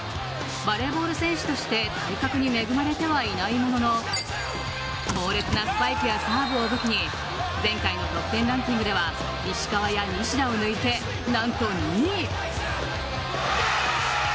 バレーボール選手として体格には恵まれてはいないものの猛烈なスパイクやサーブを武器に前回の得点ランキングでは石川や西田を抜いて何と２位。